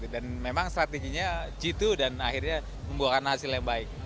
dan memang strateginya g dua dan akhirnya membuatkan hasil yang baik